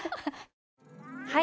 はい。